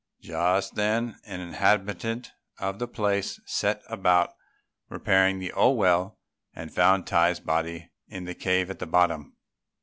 Just then an inhabitant of the place set about repairing the old well and found Tai's body in the cave at the bottom.